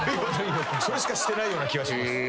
それしかしてないような気がします。